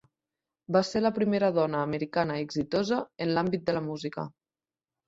Va ser la primera dona americana exitosa en l’àmbit de la música.